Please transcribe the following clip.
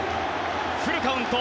フルカウント。